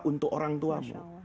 untuk orang tuamu